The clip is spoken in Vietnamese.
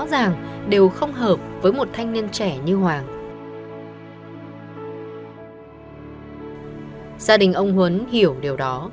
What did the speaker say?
ràng đều không hợp với một thanh niên trẻ như hoàng gia đình ông huấn hiểu điều đó